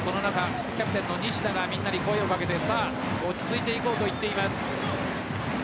キャプテンの石川がみんなに声をかけて落ち着いていこうと言っています。